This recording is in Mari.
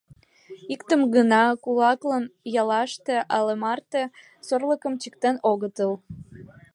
Иктым гына: кулаклан яллаште але марте сорлыкым чиктен огытыл.